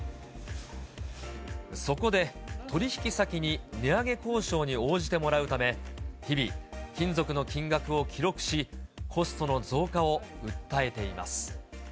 そこで取り引き先に値上げ交渉に応じてもらうため、日々、金属の金額を記録し、コストの増加を訴えています。